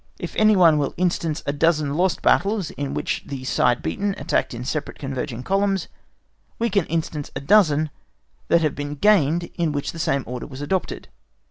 If any one will instance a dozen lost battles in which the side beaten attacked in separate converging columns, we can instance a dozen that have been gained in which the same order was adopted.